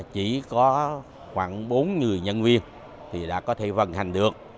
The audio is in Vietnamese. chỉ có khoảng bốn người nhân viên thì đã có thể vận hành được